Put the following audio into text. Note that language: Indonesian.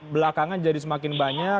belakangan jadi semakin banyak